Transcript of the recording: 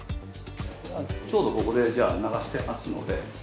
ちょうど、ここで流してますので。